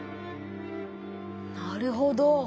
なるほど。